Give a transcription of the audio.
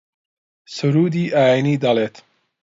سروودی ئایینی دەڵێت